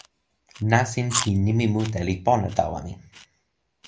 nasin pi nimi mute li pona tawa mi.